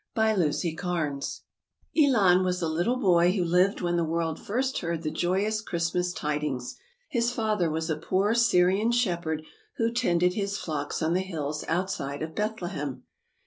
BY LUCIE KARNES. Elon was a little boy who lived when the world first heard the joyous Christmas tidings. His father was a poor Syrian shepherd who tended his flocks on the hiUs outside of Bethlehem.